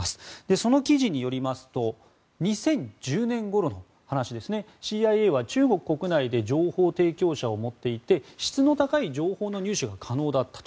その記事によりますと２０１０年ごろの話ですねＣＩＡは中国国内で情報提供者を持っていて質の高い情報の入手が可能だったと。